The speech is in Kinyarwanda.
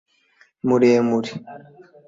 muremure